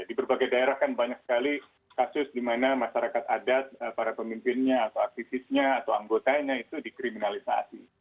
di berbagai daerah kan banyak sekali kasus di mana masyarakat adat para pemimpinnya atau aktivisnya atau anggotanya itu dikriminalisasi